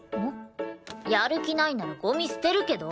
やる気ないならゴミ捨てるけど？